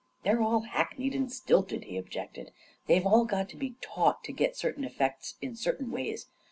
" They're all hackneyed and stilted," he objected. "They've all been taught to get certain effects in certain ways.